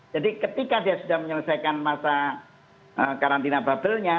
jadi ketika dia sudah menyelesaikan masa karantina bubble nya